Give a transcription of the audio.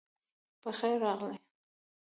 پخیر راغلی